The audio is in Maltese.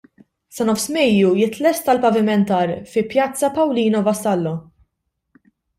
Sa nofs Mejju, jitlesta l-pavimentar fi Pjazza Paolino Vassallo.